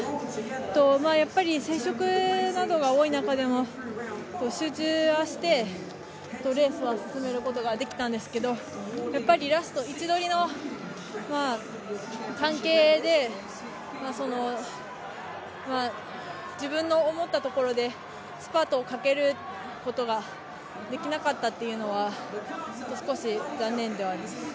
接触などが多い中でも集中はしてレースは進めることができたんですけど、やっぱりラスト位置取りの関係で自分の思った所でスパートをかけることができなかったというのは少し残念ではあります。